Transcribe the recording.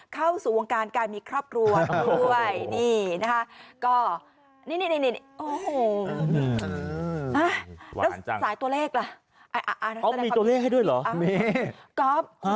เข้าในวงการการมีครอบครัวนะฮะก็จามได้ป่ะที่เขาบอกว่าเขาจะ